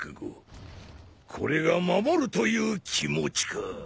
これが守るという気持ちか。